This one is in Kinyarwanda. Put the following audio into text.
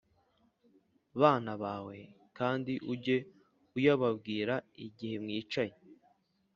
bana bawe kandi ujye uyababwira igihe mwicaye